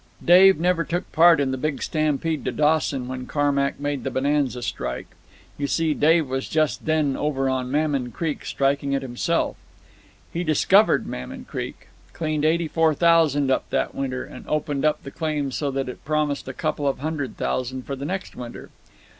"Dave never took part in the big stampede to Dawson when Carmack made the Bonanza strike. You see, Dave was just then over on Mammon Creek strikin' it himself. He discovered Mammon Creek. Cleaned eighty four thousand up that winter, and opened up the claim so that it promised a couple of hundred thousand for the next winter.